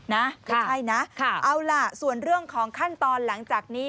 ไม่ใช่นะเอาล่ะส่วนเรื่องของขั้นตอนหลังจากนี้